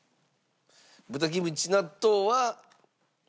豚キムチ納豆は。